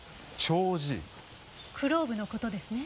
クローブの事ですね。